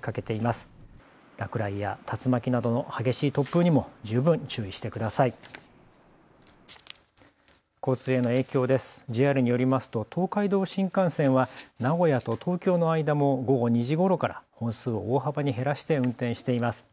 ＪＲによりますと東海道新幹線は名古屋と東京の間も午後２時ごろから本数を大幅に減らして運転しています。